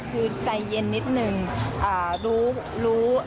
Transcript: คือใจเย็นนิดนึงอ่ารู้รู้